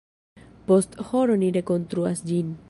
Post horo ni rekonstruas ĝin.